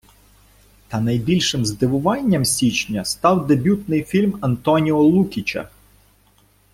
Та найбільшим здивуванням січня став дебютний фільм Антоніо Лукіча.